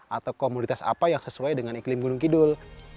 atau komoditas apa yang sesuai dengan iklim gunung kidul